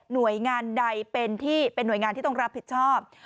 หน่วยงานใดเป็นที่เป็นหน่วยงานที่ต้องรับผิดชอบ